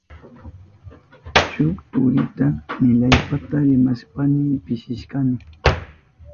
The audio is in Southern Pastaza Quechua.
Shuk turita millaypata rimashpayni pishishkani.